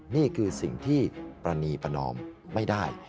นี่คือสิ่งที่ปรณีประนอมไม่ได้